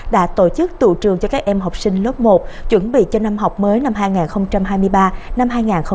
đã tổ chức tụ trường cho các em học sinh lớp một chuẩn bị cho năm học mới năm hai nghìn hai mươi ba năm hai nghìn hai mươi bốn